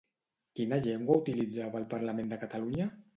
Quina llengua utilitzava al Parlament de Catalunya?